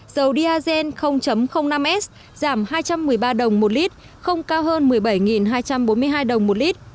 dầu diazen năm s giảm hai trăm một mươi ba đồng một lít không cao hơn một mươi bảy hai trăm bốn mươi hai đồng một lít